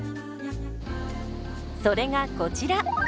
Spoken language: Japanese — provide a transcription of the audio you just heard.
それがこちら。